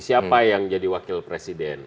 siapa yang jadi wakil presiden